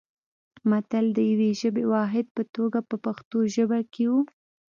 متل د یوه ژبني واحد په توګه په پښتو ژبه کې و